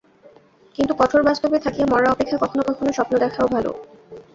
কিন্তু কঠোর বাস্তবে থাকিয়া মরা অপেক্ষা কখনও কখনও স্বপ্ন দেখাও ভাল।